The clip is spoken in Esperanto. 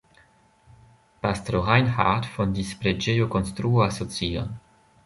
Pastro Reinhardt fondis preĝejokonstruo-asocion.